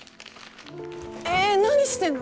えっ何してんの？